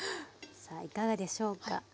さあいかがでしょうか。